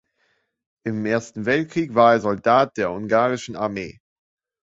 Im Ersten Weltkrieg war er Soldat der ungarischen Armee.